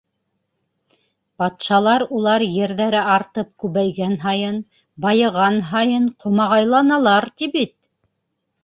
— Батшалар улар ерҙәре артып күбәйгән һайын, байыған һайын ҡомағайланалар ти, бит.